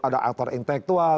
ada aktor intelektual